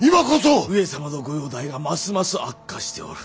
上様のご容態がますます悪化しておる。